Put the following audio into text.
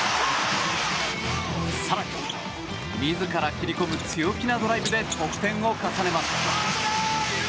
更に、自ら切り込む強気なドライブで得点を重ねます。